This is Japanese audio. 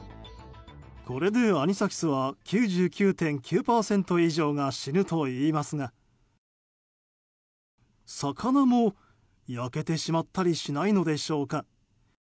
これでアニサキスは９９．９％以上が死ぬといいますが魚も焼けてしまったりしないのでしょうか？